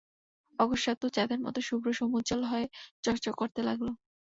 অকস্মাৎ তা চাঁদের মত শুভ্র-সমুজ্জ্বল হয়ে চক্ চক্ করতে লাগল।